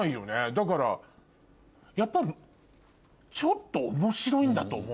だからやっぱちょっと面白いんだと思うんだよね。